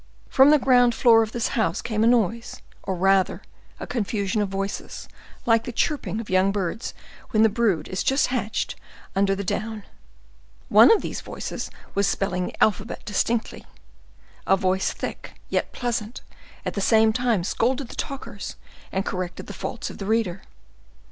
From the ground floor of this house came a noise, or rather a confusion of voices, like the chirping of young birds when the brood is just hatched under the down. One of these voices was spelling the alphabet distinctly. A voice thick, yet pleasant, at the same time scolded the talkers and corrected the faults of the reader.